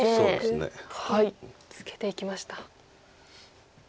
ツケていきました。